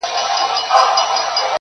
سپوږمۍ هغې ته په زاریو ویل .